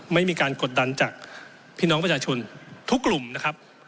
ไม่มีการกดดันจากพี่น้องประชาชนทุกกลุ่มนะครับ